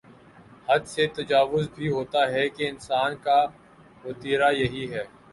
حد سے تجاوز بھی ہوتا ہے کہ انسان کا وتیرہ یہی ہے۔